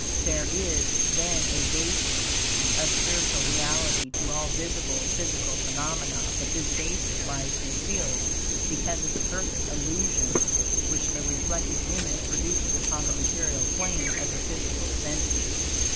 There is, then, a basis of spiritual reality to all visible physical phenomena; but this basis lies concealed, because of the perfect illusion which the reflected image produces upon the material plane of the physical senses.